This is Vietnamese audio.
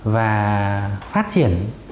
và phát triển